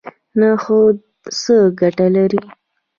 نخود څه ګټه لري؟